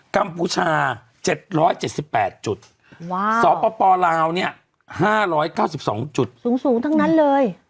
กัมพูชา๗๗๘จุดสปลาวเนี่ย๕๙๒จุดสูงทั้งนั้นเลย